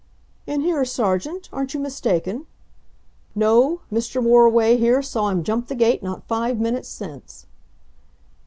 "In here, Sergeant? Aren't you mistaken?" "No; Mr. Moriway here saw him jump the gate not five minutes since."